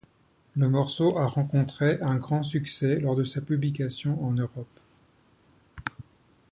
Le morceau a rencontré un grand succès lors de sa publication en Europe.